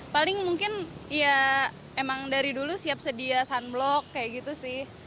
paling mungkin ya emang dari dulu siap sedia sunblock kayak gitu sih